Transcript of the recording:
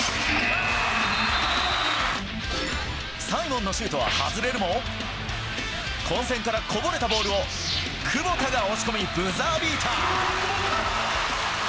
サイモンのシュートは外れるも混戦からこぼれたボールを久保田が押し込みブザービーター！